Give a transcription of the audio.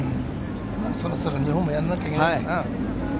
そろそろ日本もやらなきゃいけないかな。